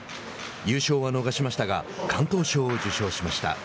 優勝は逃しましたが敢闘賞を受賞しました。